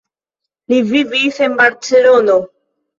Li vivis en Barcelono.